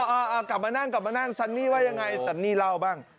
อ่ากลับมานั่งกลับมานั่งซันนี่ว่ายังไงซันนี่เล่าบ้าง